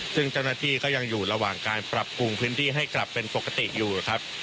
ซึ่งเจ้าหน้าที่ก็ยังอยู่ระหว่างการปรับปรุงพื้นที่ให้กลับเป็นปกติอยู่ครับ